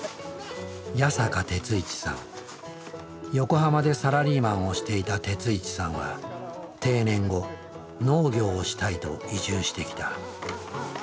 横浜でサラリーマンをしていた鉄一さんは定年後農業をしたいと移住してきた。